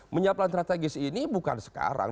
menyiapkan strategis ini bukan sekarang